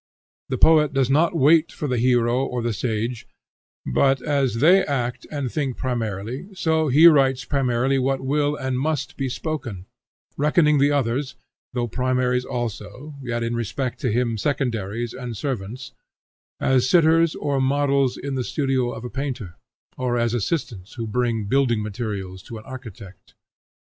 The poet does not wait for the hero or the sage, but, as they act and think primarily, so he writes primarily what will and must be spoken, reckoning the others, though primaries also, yet, in respect to him, secondaries and servants; as sitters or models in the studio of a painter, or as assistants who bring building materials to an architect.